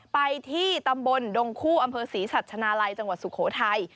ไปที่ตำบลดงคู่อำเภอศรีสัชนาลัยจังหวัดสุโขทัย